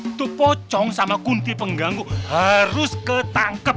itu pocong sama kunti pengganggu harus ketangkep